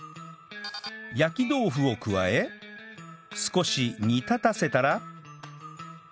焼き豆腐を加え少し煮立たせたら